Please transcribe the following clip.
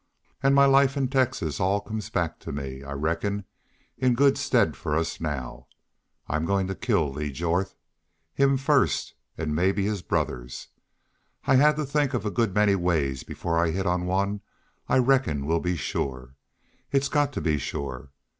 An' my life in Texas all comes back to me, I reckon, in good stead fer us now. I'm goin' to kill Lee Jorth! Him first, an' mebbe his brothers. I had to think of a good many ways before I hit on one I reckon will be shore. It's got to be SHORE.